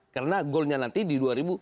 karena goalnya nanti di dua ribu sembilan belas